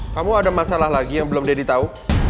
kamu ada masalah lagi yang belum deddy tahu